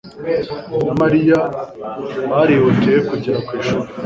na Mariya barihutiye kugera ku ishuri.